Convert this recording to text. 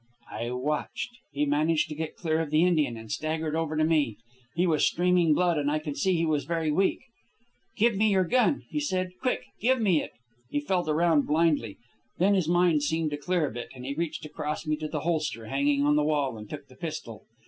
"I watched. He managed to get clear of the Indian and staggered over to me. He was streaming blood, and I could see he was very weak. 'Give me your gun,' he said; 'quick, give me it.' He felt around blindly. Then his mind seemed to clear a bit, and he reached across me to the holster hanging on the wall and took the pistol.